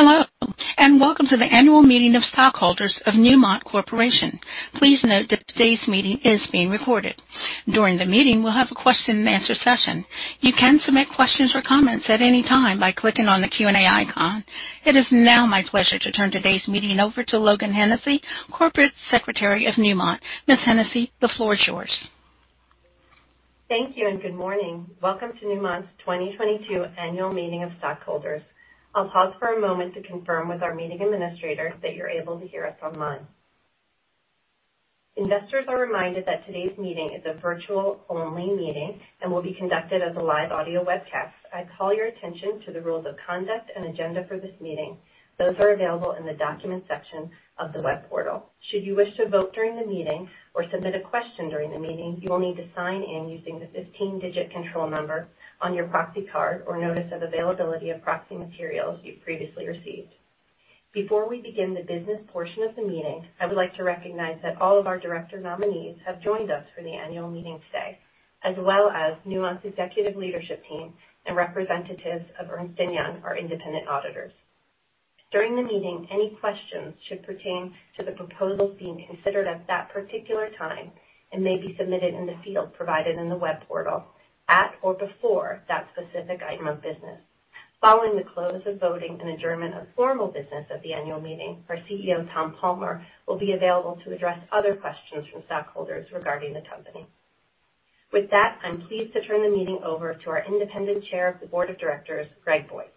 Hello, and welcome to the Annual Meeting of Stockholders of Newmont Corporation. Please note that today's meeting is being recorded. During the meeting, we'll have a question-and-answer session. You can submit questions or comments at any time by clicking on the Q&A icon. It is now my pleasure to turn today's meeting over to Logan Hennessey, corporate secretary of Newmont. Ms. Hennessey, the floor is yours. Thank you and good morning. Welcome to Newmont's 2022 annual meeting of stockholders. I'll pause for a moment to confirm with our meeting administrator that you're able to hear us online. Investors are reminded that today's meeting is a virtual-only meeting and will be conducted as a live audio webcast. I call your attention to the rules of conduct and agenda for this meeting. Those are available in the Documents section of the web portal. Should you wish to vote during the meeting or submit a question during the meeting, you will need to sign in using the 15-digit control number on your proxy card or notice of availability of proxy materials you've previously received. Before we begin the business portion of the meeting, I would like to recognize that all of our director nominees have joined us for the annual meeting today, as well as Newmont's executive leadership team and representatives of Ernst & Young, our independent auditors. During the meeting, any questions should pertain to the proposals being considered at that particular time and may be submitted in the field provided in the web portal at or before that specific item of business. Following the close of voting and adjournment of formal business of the annual meeting, our CEO, Tom Palmer, will be available to address other questions from stockholders regarding the company. With that, I'm pleased to turn the meeting over to our independent chair of the Board of Directors, Greg Boyce.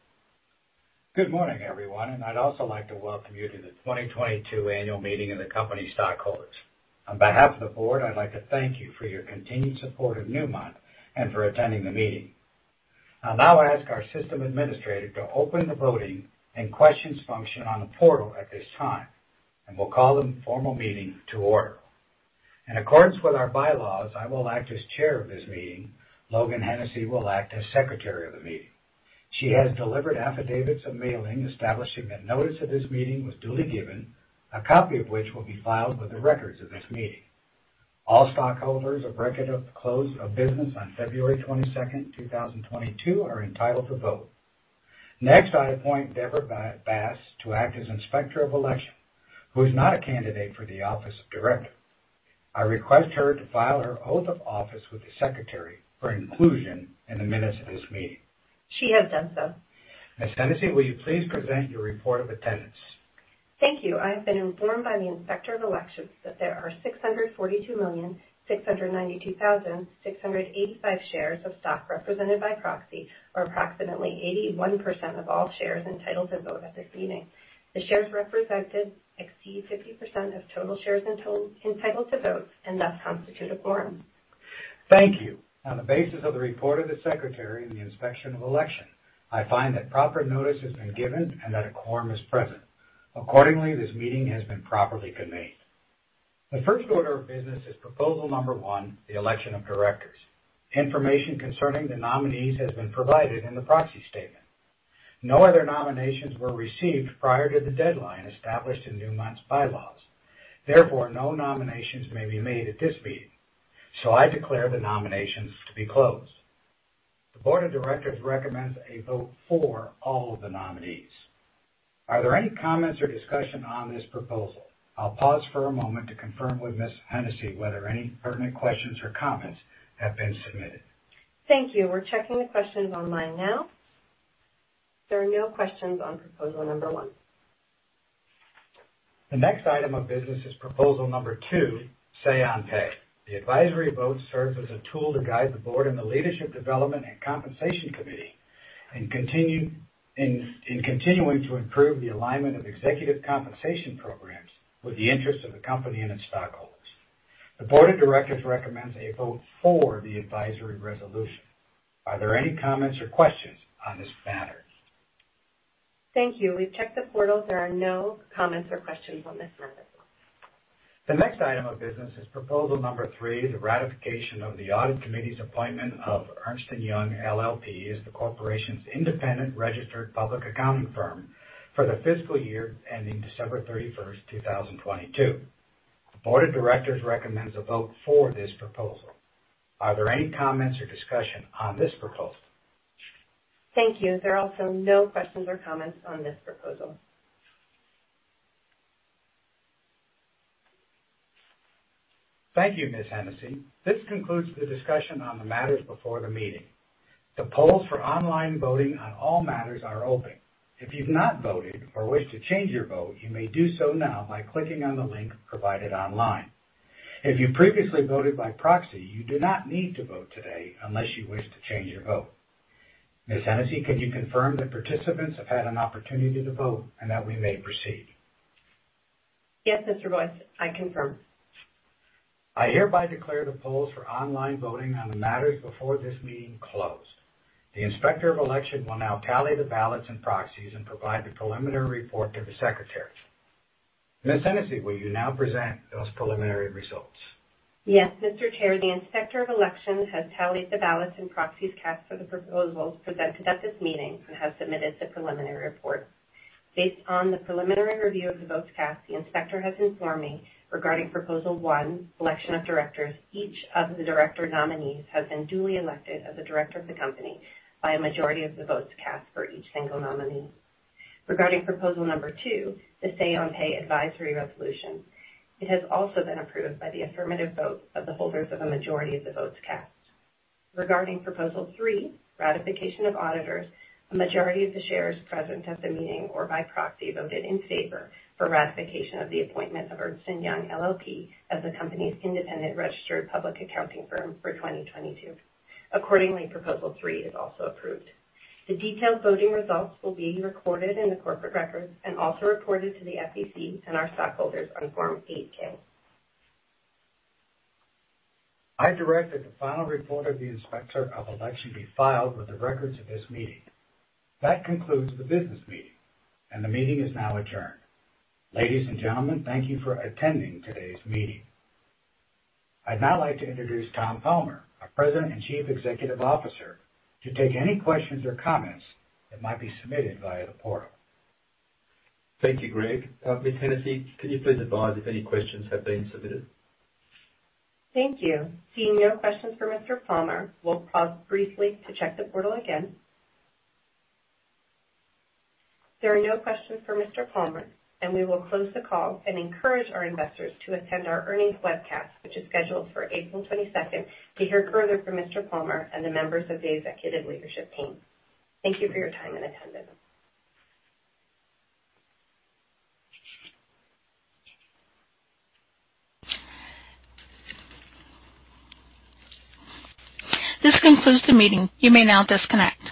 Good morning, everyone. I'd also like to welcome you to the 2022 annual meeting of the company stockholders. On behalf of the board, I'd like to thank you for your continued support of Newmont and for attending the meeting. I'll now ask our system administrator to open the voting and questions function on the portal at this time, and we'll call the formal meeting to order. In accordance with our bylaws, I will act as chair of this meeting. Logan Hennessey will act as secretary of the meeting. She has delivered affidavits of mailing, establishing that notice of this meeting was duly given, a copy of which will be filed with the records of this meeting. All stockholders of record at the close of business on February 22, 2022, are entitled to vote. Next, I appoint Deborah Bass to act as inspector of election, who is not a candidate for the office of director. I request that she file her oath of office with the secretary for inclusion in the minutes of this meeting. She has done so. Ms. Hennessey, will you please present your report of attendance? Thank you. I have been informed by the inspector of election that there are 642,692,685 shares of stock represented by proxy, or approximately 81% of all shares entitled to vote at this meeting. The shares represented exceed 50% of total shares entitled to vote and thus constitute a quorum. Thank you. On the basis of the report of the secretary and the inspector of election, I find that proper notice has been given and that a quorum is present. Accordingly, this meeting has been properly convened. The first order of business is proposal number one, the election of directors. Information concerning the nominees has been provided in the proxy statement. No other nominations were received prior to the deadline established in Newmont's bylaws. Therefore, no nominations may be made at this meeting. I declare the nominations to be closed. The board of directors recommends a vote for all of the nominees. Are there any comments or discussions on this proposal? I'll pause for a moment to confirm with Ms. Hennessey whether any pertinent questions or comments have been submitted. Thank you. We're checking the questions online now. There are no questions on proposal number one. The next item of business is proposal number two, say-on-pay. The advisory vote serves as a tool to guide the board and the Leadership Development and Compensation Committee in continuing to improve the alignment of executive compensation programs with the interests of the company and its stockholders. The board of directors recommends a vote for the advisory resolution. Are there any comments or questions on this matter? Thank you. We've checked the portal. There are no comments or questions on this proposal. The next item of business is proposal number three, the ratification of the Audit Committee's appointment of Ernst & Young LLP as the corporation's independent registered public accounting firm for the fiscal year ending December 31st, 2022. The Board of Directors recommends a vote for this proposal. Are there any comments or discussions on this proposal? Thank you. There are also no questions or comments on this proposal. Thank you, Ms. Hennessey. This concludes the discussion on the matters before the meeting. The polls for online voting on all matters are open. If you've not voted or wish to change your vote, you may do so now by clicking on the link provided online. If you previously voted by proxy, you do not need to vote today unless you wish to change your vote. Ms. Hennessey, could you confirm that participants have had an opportunity to vote and that we may proceed? Yes, Mr. Boyce, I confirm. I hereby declare the polls for online voting on the matters before this meeting closed. The inspector of election will now tally the ballots and proxies and provide the preliminary report to the secretary. Ms. Hennessey, will you now present those preliminary results? Yes, Mr. Chair. The inspector of election has tallied the ballots and proxies cast for the proposals presented at this meeting and has submitted the preliminary report. Based on the preliminary review of the votes cast, the inspector has informed me regarding proposal one, election of directors. Each of the director nominees has been duly elected as a director of the company by a majority of the votes cast for each single nominee. Regarding proposal number two, the say-on-pay advisory resolution, it has also been approved by the affirmative vote of the holders of a majority of the votes cast. Regarding proposal three, ratification of auditors, a majority of the shares present at the meeting or by proxy voted in favor of the ratification of the appointment of Ernst & Young LLP as the company's independent registered public accounting firm for 2022. Accordingly, proposal three is also approved. The detailed voting results will be recorded in the corporate records and also reported to the SEC and our stockholders on Form 8-K. I direct that the final report of the inspector of election be filed with the records of this meeting. That concludes the business meeting, and the meeting is now adjourned. Ladies and gentlemen, thank you for attending today's meeting. I'd now like to introduce Tom Palmer, our president and chief executive officer, to take any questions or comments that might be submitted via the portal. Thank you, Greg. Ms. Hennessey, can you please advise if any questions have been submitted? Thank you. Seeing no questions for Mr. Palmer, we'll pause briefly to check the portal again. There are no questions for Mr. Palmer, and we will close the call and encourage our investors to attend our earnings webcast, which is scheduled for April 22, to hear further from Mr. Palmer and the members of the executive leadership team. Thank you for your time and attendance. This concludes the meeting. You may now disconnect.